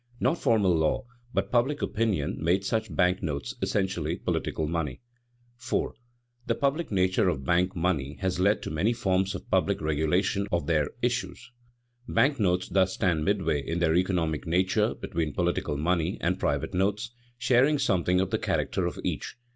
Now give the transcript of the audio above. Not formal law but public opinion made such bank notes essentially political money. [Sidenote: Policy of public regulation of bank notes] 4. The public nature of bank money has led to many forms of public regulation of their issues. Bank notes thus stand midway in their economic nature between political money and private notes, sharing something of the character of each.